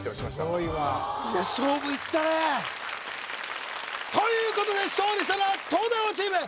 すごいわいや勝負いったねということで勝利したのは東大王チーム